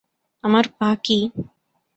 আমার পা কি?